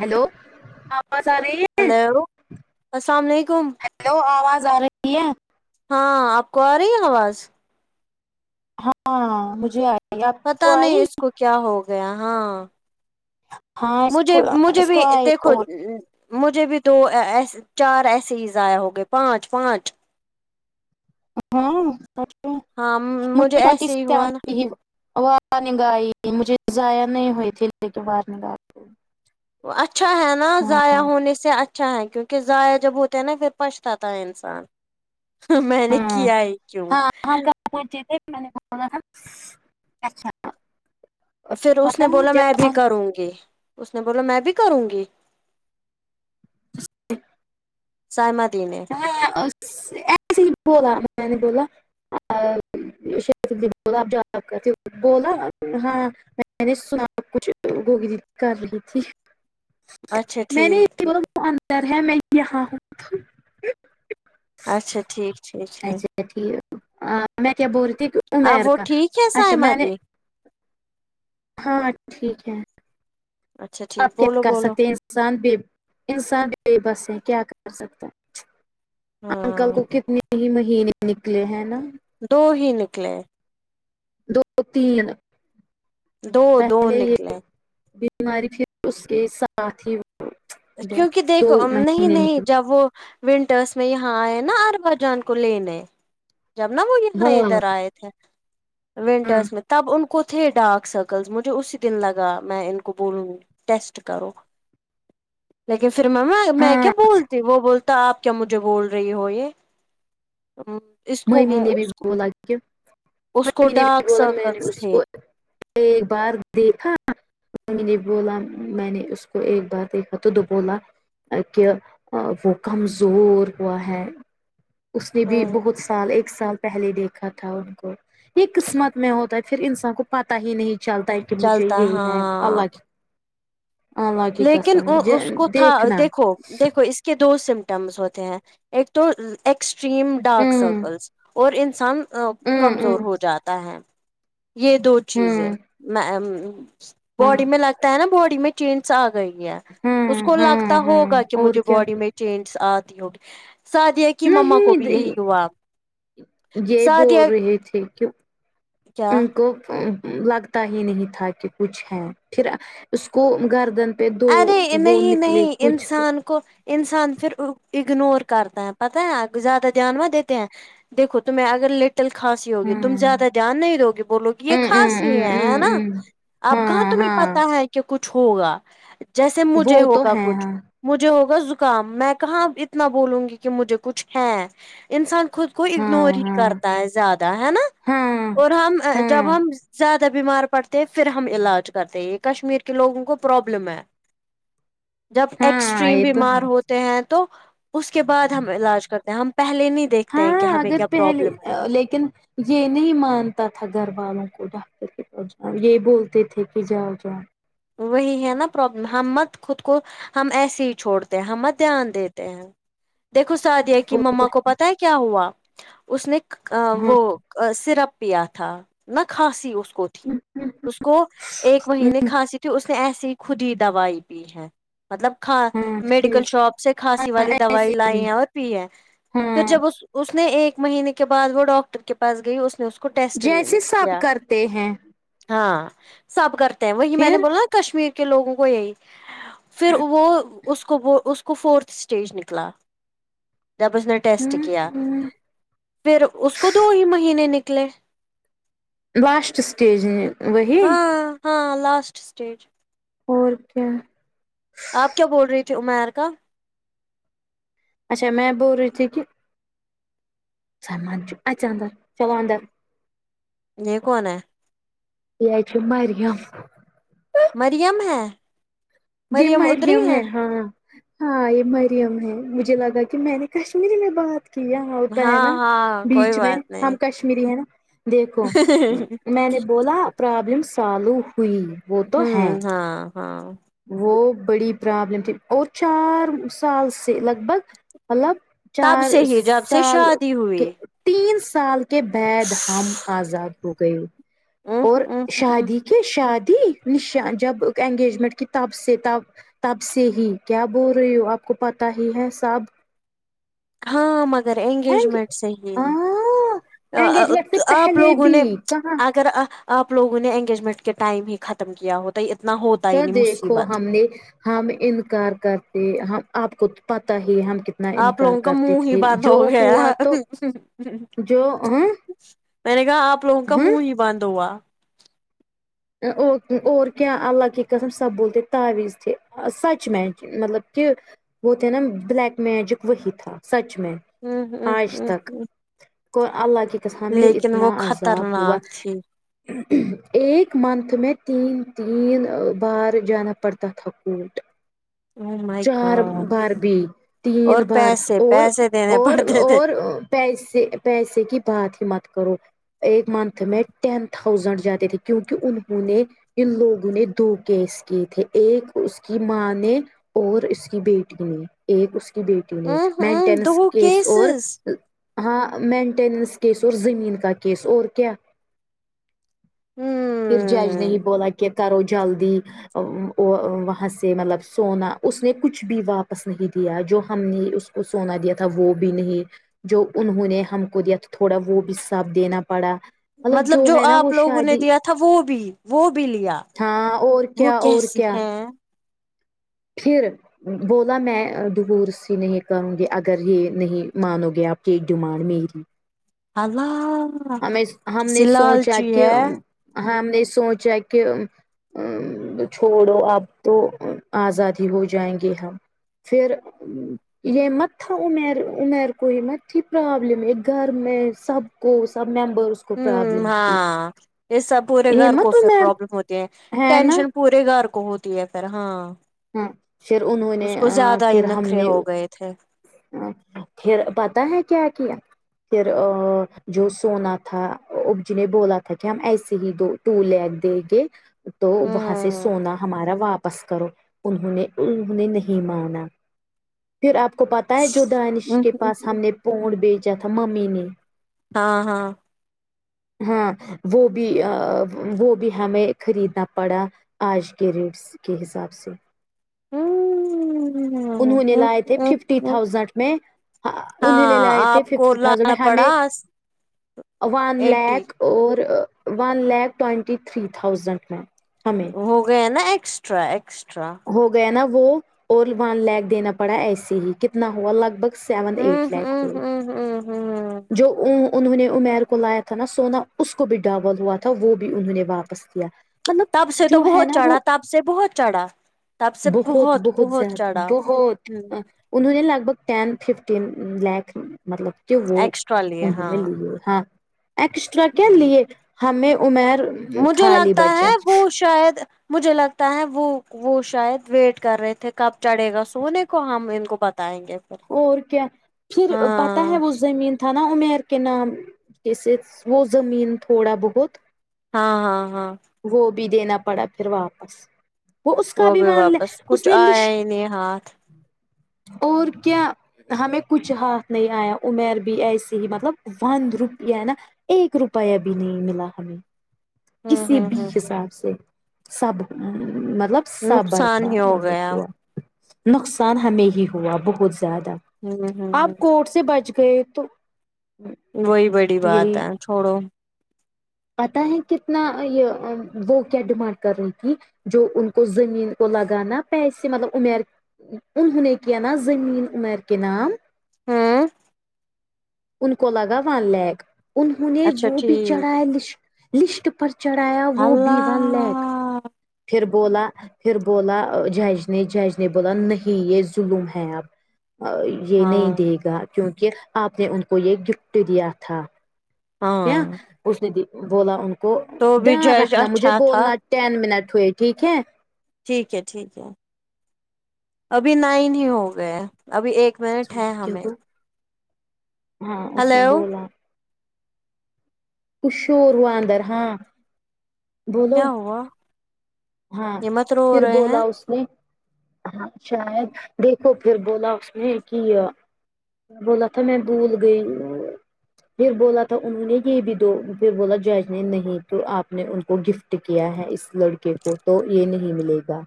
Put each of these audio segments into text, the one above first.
hello آواز آ رہی ہے ہیلو السلام علیکم ہیلو آواز آ رہی ہے ہاں آپ کو آ رہی ہے آواز ہاں مجھے آ پتا نہیں اس کو کیا ہو گیا ہاں ہاں اس کو مجھے مجھے اس بھی کو آئی دیکھو اور مجھے بھی دو ایسے چار ایسے ہی ضیاء ہو گئے پانچ پانچ ہاں مجھے ایسے ہی ہوا نا [inaudible] وارننگ آئی مجھے ضیاء نہیں ہوئی تھی لیکن وارننگ آئی اچھا ہے نا ہاں ضیاء ہونے سے اچھا ہے کیونکہ ضیاء جب ہوتے ہیں نا پھر پچتا ہے انسان ہ میں نے ہاں کیا ہے کیوں ہاں [inaudible] پھر اس پتہ نے ہے بولا میں جب بھی ہم کروں گی اس نے بولا میں بھی کروں گی سائمہ دی نے [inaudible] [inaudible] میں نے سنا کچھ گوگی دیی کر رہی تھی اچھا میں نہیں ٹھیک ٹھیک اندر ہے میں یہاں ہوں اچھا ٹھیک ٹھیک ٹھیک اچھا ٹھیک ہے ا میں کیا بول رہی تھی امیر اب وہ کا ٹھیک ہے اچھا میں نے سائمادی ہاں ٹھیک ہے اچھا ٹھیک آپ کیا بولو کر بولو سکتے ہیں انسان بے انسان بے بس ہے کیا کر سکتا انکل ہاں کو کتنے ہی مہینے نکلے ہیں نا دو ہی نکلے دو تین دو دو پہلے یہ نکلے ماری پھر اس کے ساتھ ہی ہے کیونکہ دو دیکھو نہیں مہینے نہیں نکلے جب وہ ونٹرس میں یہاں آئے نا ارب جان کو لینے جب نا وہ یہاں ہاں ادھر آئے تھے ہاں ونٹرس میں تب ان کو تھے ڈارک سرکلس مجھے اسی دن لگا میں ان کو بولوں گی ٹیسٹ کرو لیکن پھر میم میں کیا ہاں بولتی وہ بولتی تو آپ کیا مجھے بول رہی ہو یہ ہ ممی نے بھی بولا اس کو کہمی نے بھی ڈارک بولا میں نے سرکلس اس تھے کو [inaudible] ایک بار دیکھا ممی نے بولا میں نے اس کو ایک بار دا تد بولا کہ وہ کمزور ہوا ہے اس نے بھی ہوں بہت سال ایک سال پہلے دیکھا تھا ان کو یہ قسمت میں ہوتا ہے پھر انسان کو پتا ہی نہیں چلتا ہے کہ مجھے چلتا یہ ہے ہاں اللہ کی اللہ کے لیکن قسم او ج اس کو تھا دیکھنا دیکھو دیکھو اس کے دو سمٹمس ہوتے ہیں ایک تو ایکسٹریم ڈارک ہوں سرکلس اور انسان ہوں کمزور ہوں ہو جاتا ہے یہ دو چیزیں ہوں ہاں باڈی میں لگتا ہے نا باڈی میں چینج آ گئی ہے اس ہاں کو لگتا ہاں ہاں ہوگا کہ اور مجھے کیا باڈی میں چینس آتی ہوگی سادیا کی مما کو نہیں بھی یہی د- ہوا یہ سعدیہ بول رہے تھے کہ کیا ان کو لگ تا ہی نہیں تھا کہ کچھ ہے پھر اس کو گردن پہ دو ارے وہ نہیں نکلے نہیں کچھ تو انسان کو انسان پھر اگنور کرتا ہے پتہ ہے زیادہ دھیان و دیتے ہیں دیکو تمہیں اگر لٹ ٹل کھانسی ہوگی تم ہاں زیادہ جان نہیں دو گے بولو گی یہ ہوں ہوں کھانسی ہوں ہے ہے نا ہوں ہوں آپ کہاں ہاں تمہیں ہاں پتا ہے کہ کچھ ہوگا جیسے مجھے وہ تو ہوگا ہے کچھ ہاں مجھے ہوگا زکام میں کہاں اتنا بولوں گی کہ مجھے کچھ ہے انسان خود کو ہاں اگنور ہی ہاں کرتا ہے زیادہ ہے نا ہاں اور ہم ہاں جب ہم زیادہ بیمار پڑتے ہیں پھر ہم علاج کرتے یہ کشمیر کے لوگوں کو پرابلم ہے جب ہاں ایکسٹریم یہ تو ہے بیمار ہوتے ہیں تو اس کے بعد ہم علاج کرتے ہیں ہم پہلے نہیں دیکھتے ہیں کہ ہاں ہمیں اگر کیا پہلے پرابلم ہے لیکن یہ نہیں مانتا تھا گھر والوں کو ڈاکٹر کے پاس جاؤ یہ بولتے تھے کہ جاؤ جاؤ وہی ہے نا پرابلم ہم مت خود کو ہم ایسے ہی چھوڑتے ہیں ہم مت دھیان دیتے ہیں دیکھو سعادیہ کی ماما کو پتا ہے کیا ہوا اس نے ہاں وہ سرپ پیا تھا نہ کھانسی اس کو تھی اس کو ایک مہینے کھانسی تو اس نے ایسی ہی خود ہی دوائی پی ہے مطلب کا ہاں پھر میڈیکل شاپ سے کھانسی ہاں والی ایسے دوائی ہی لائی ہے اور پی ہے پھر ہاں جب اس نے ایک مہینے کے بعد وہ ڈاکٹر کے پاس گئی اس نے اس کو کو ٹیسٹ جیسے سب کیا کرتے ہیں ہاں سب کرتے ہیں وہی میں نے پھر بولا کشمیر کے لوگوں کو یہی پھر وہ اس کو اس کو فورتھ اسٹیج نکلا جب اس نے ٹیسٹ ہوں کیا ہوں پھر اس کو دو ہی مہینے نکلے لاسٹ سٹیج وہی ہاں ہاں لاسٹ اسٹیج اور کیا آپ کیا بول رہی تھی عمیر کا اچھا میں بول رہی تھی کہ سمان اچھا اندر چلو اندر یہ کون ہے یہ ہے مریم مریم ہے جی مریم ہے ہاں ہاں یہ مریم ہے مجھے لگا کہ میں نے کشمیری میں بات کیا ہوتا ہے ہاں نا ہاں کوئی بیچ میں بات نہیں ہم کشمیری ہے نا دیکھو میں نے بولا پرابلم سالو ہوئی وہ تو ہے ہوں ہاں ہاں وہ بڑی پرابلم تھی اور چار سال سے لگ بھگ مطلب تب چار سے ہی جب سے سال شادی کے ہوئی تین سال کے بعد ہم ا آزاد ہو گئے اور ا ا شادی کے کے شادی نشا جب انگیجمنٹ کی تب سے تب تب سے ہی کیا بول رہی ہو آپ کو پتا ہی ہے سب ہاں مگر اینگ انگیجمنٹ صحیح ہاں ہے انگیجمنٹ سے آپ پہلے لوگوں بھی نے کہاں اگر آپ لوگوں نے انگیجمنٹ کے ٹائم ہی ختم کیا ہوتا تو اتنا ہو تو دیکھو ہم نے ہم انکار کرتے ہم آپ کو پتا ہی ہم کت آپ لوگوں کا منہ ہی بند ہو گیا تو جو ہاں میں نے کہا آپ لوگوں کا ہاں منہ ہی بند ہوا ااور کیا اللہ کی قسم سب بولتے تاویز ت تھے سچ میچ مطلب کہ وہ تھے نا بلیک میجک وہی تھا سچ میں ہ ہ آج ہ تک کو اللہ کی ہمیں لیکن اتنا وہ عذاب ہوا خطرناک تھی ایک منت میں تین تین بار جانہ پڑتا تھاکوٹ او مائی چار گاڈ بار بھی تین اور بار پیسے اور پیسے دینے اور پڑتے تھے اور پیسے پیسے کی بات ہی مت کرو ایک منتھ میں ٹین تھاؤزینڈ جاتے تھے کیونکہ انہوں نے ان لوگوں نے دو کیس کیے تھے ایک اس کی ماں نے اور اس کی بیٹی نے ایک اس کی بیٹی نے ہ ہ مینٹینس دو کیس اور کیسز ہاں مینٹیننس کیس اور زمین کا کیس اور کیا پھر جیج نے ہ ہی بولا کہ کرو جلدی وہاں سے مطلب سونا اس نے کچھ بھی واپس نہیں دیا جو ہم نے اس کو سونا دیا تھا وہ بھی نہیں جو انہوں نے ہم کو دیا تھوڑا وہ بھی سب دینا پڑا مطلب جو ہے نا وہ آپ لوگوں نے شادی دیا تھا وہ بھی وہ بھی لیا ہاں اور وہ کیا کیسی ہے کھر بولا میں دور سی نہیں کروں گی اگر یہ نہیں مانو گے آپ کی ڈیمانڈ میری اللہ ہمیں ہم نے کیسی سوچا لالچی کہ ہے ہم نے سوچا کہ ا چھوڑو اب تو آزاد ہی ہو جائیں گے ہم پھر یہ متا امیر امیرر کوئی متھیی پرابلم ہے گھر میں سب کو سب ممبرس کو ہ پرابلم تھی ہاں یہ سب پورے گھر کو ہمت اسے عمیر پرابلم ہوتی ہیں ہے نا ٹینشن پورے گھر کو ہوتی ہے پھر ہاں ہاں پھر انہوں نے اس کو زیادہ ہی نخرے ہو گئے تھے ا پھر پتا ہے کیا کیا پھر جو سونا تھا اب جی نے بولا تھا کہ ہم ایسے ہی دو ٹو لگ دے گے تو وہاں سے ہوں سونا ہمارا واپس کرو انہوں نے انہوں نے نہیں مانا پھر آپ کو پتا ہے جو دانش کے پاس ہم نے پونڈ بیچا تھا ممی نے ہاں ہاں ہاں وہ بھی وہ بھی ہمیں خریدنا پڑا آج کے ریٹ سے کے حساب سے انہوں نے لائے تھے ففٹی تھاؤزینڈ میں ہاں انہیں لے ہاں لئے تھے آپ کو ففٹی تھازینڈ میں لانا پڑا ہمیں ون ایٹی لھک اور one lakh twenty three thousand میں ہمیں ہو گیا نا ایکسٹرا ایکسٹرا ہو گیا نا وہ اور ون لیک دینا پڑا ایسے ہی کتنا ہوا لگ بھگ سیون ہوں ایٹ لیک ہوں ہوئے ہوں ہوں ہوں جو اں انہوں نے امیر کو لایا تھا نا سونا اس کو بھی ڈابول ہوا تھا وہ بھی انہوں نے واپس دیا تب سے تو بہت چڑھا تب سے بہت چڑھا تب سے بہت بہت زد چڑھا بہت ہ انہ نے لگ بھ ٹین ففٹین لیک مطلب کہ وہ ایکسٹرا لیے انہوں نے ہاں لیے ہاں ایکسٹرا کیا لیے ہمیں عمیر مجھے خالی لگتا ہے بچا وہ شاید مجھے لگتا ہے وہ وہ شاید ویٹ کر رہے تھے کب چڑھے گا سونے کو ہم ان کو بتائیں گے پھر اور کیا پھر پتا ہاں ہے وہ زمین تھا نا امیر کے نام وہ زمین تھوڑا بہت ہاں ہاں ہاں وہ بھی دینا پڑا پھر واپس وہ اس کابھی بھی مان لے واپس اس کچھ نے لش آیا ہی نہیں ہاتھ اور کیا ہمیں کچھ ہاتھ نہیں آیا امیر بھی ایسی ہی مطلب ون روپیا ہے نا ایک روپیہ بھی نہیں ملا ہمیں ہوں کسی ہوں بھی ہ ہ حساب سے سب مطلب [unintelligible] نقصان سابرمہ ہی ہو مندر گیا ہوا نقصان ہمیں ہی ہوا بہت زیادہ ہ ہ ہ آپ کوٹ سے بچ گئے تو وہی بڑی بات یہی ہے چھوڑو پتا ہے کتنا یہ وہ کیا ڈیمانڈ کر رہے ہیں کی جو ان کو زمین کو لگانا پیسے مطلب امیر انہوں نے کیا نا زمین عمیر کے نام ہاں ان کو لگا ون لیک انہوں نے اچھا وہ بھی ٹھیک چڑھایا لس لسٹ پر چڑھایا وہ بھی ون لییک اللہ پھر بولا پھر بولا جج نے جج نے بولا نہیں یہ ظلم ہے اب یہ نہیں ہاں دے گا کیونکہ آپ نے ان کو یہ گفٹ دیا تھا کیا ہاں اس نے بولا ان کو تو بھی دھیان جج رکھنا مجھے اچھا تھا بولنا ٹین منٹ ہوئے ٹھیک ہے ٹھیک ہے ٹھیک ہے ابھی نائن ہی ہو گئے ابھی ایک منٹ ہے ہمیں [unintelligible] ہاں اس نے ہلو بولا کچھ شور ہوا اندر ہاں بولو کیا ہوا ہاں یہ مت رو پھر رہے ہیں بولا اس نے ہاں شاید دیکھو پھر بولا اس نے کہ بولا تھا میں بھول گئی ہو پھر بولا تھا انہوں نے کہ یہ بھی دو پھر بولا جج نے نہیں تو آپ نے ان کو گفٹ کیا ہے اس لڑکے کو تو یہ نہیں ملے گا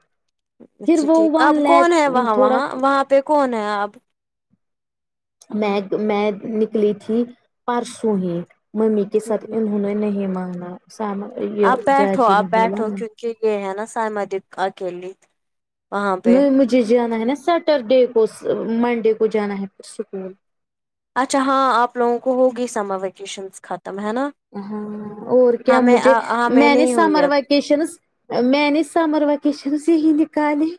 پھر اچھا وہ ٹھیک اب ون کون لیک ہے وہاں تھوڑا وہاں وہاں پہ کون ہے آب میں میں نکلی تھی پرسوں ہی ممی کے ساتھ انہوں نے نہیں مانا سام یہ جاجی نے بولا ن کی یہ ہے نا سائ [unintelligible] مد آکی لی نہیں مجھے جانا ہے نا سیٹرڈے کو س منڈے کو جانا ہے اور اسکول اچھا ہاں آپ لوگوں کو ہوگی سمر ویکیشنس ختم ہے نا ہاں اور کیا ہمیں مجھے ہمیں میں نے نہیں ہوئی سمر ابھی وکیشنز میں نے سمر وکیشنز سے ہی نکالی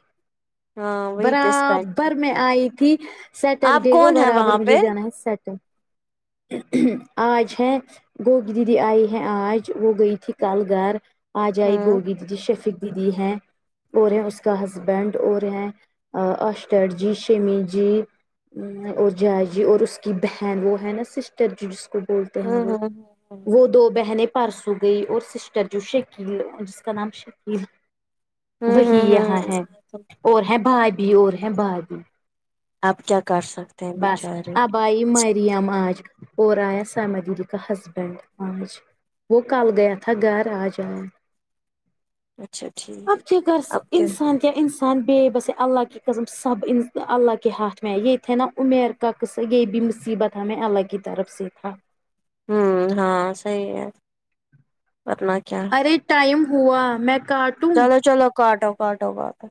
ہاں وہی پہ اسپینڈ برابر میں آئی تھی آپ سیٹرڈے کو کون ہے برابر وہاں مجھے پہ جانا ہے سیٹر آج ہے گوگی دیدی آئی ہے آج وہ گئی تھی کل گھر اج آئی ہوں گوگی دیدی شفیق دیدی ہے اور ہیں اس کا ہسبینڈ اور ہیں آشٹر جی شیمی جی اور جائے جی اور اس کی بہن وہ ہے نا سسٹر جی جس کو بولتے ہیں ہوں وہ ہ وہ دو بہنیں پر سو گئی اور سسٹر جو شکیل جس کا نام شکیل ہ وہی ہ یہاں ہ ہے ہ اور ہیں بھابھی اور ہے بھابھی آپ کیا کر سکتے ہیں بچارے بائی مریم اج اور آیا سمدین کاہ ہسبنڈ ماج وہ کل گیا تھا گھر آج آ اچھا ٹھیک ابچ گس اب کیا انسان کہ انسان بے بس اللہ کی قسم سب انا اللہ کے ہاتھ میں یہ تھے نا عمیر کا قصہ یہ بھی مصیبت ہمیں اللہ کی طرف سے تھا ہوں ہاں صحیح ہے اپنا کیا ارے ٹائم ہوا میں کاٹ چلو چلو کاٹو کاٹو کاٹو